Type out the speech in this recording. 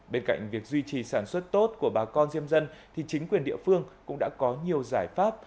bên cạnh việc duy trì sản xuất tốt của bà con diêm dân thì chính quyền địa phương cũng đã có nhiều giải pháp